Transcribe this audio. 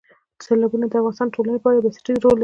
سیلابونه د افغانستان د ټولنې لپاره یو بنسټیز رول لري.